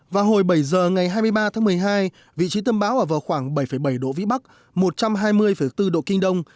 vào hồi bảy giờ ngày hai mươi ba tháng một mươi hai vị trí tâm bão ở vào khoảng bảy bảy độ vĩ bắc một trăm hai mươi bốn độ kinh đông